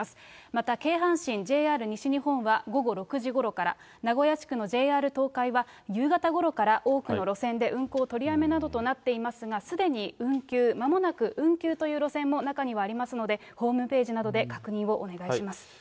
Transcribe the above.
また京阪神、ＪＲ西日本は午後６時ごろから、名古屋地区のＪＲ東海は夕方ごろから多くの路線で運行取りやめなどとなっていますが、すでに運休、まもなく運休という路線も中にはありますので、ホームページなどで確認をお願いします。